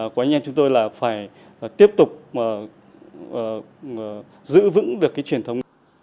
của anh em chúng tôi là phải tiếp tục giữ vững được cái truyền thống